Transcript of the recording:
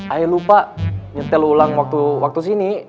ayah lupa nyetel ulang waktu sini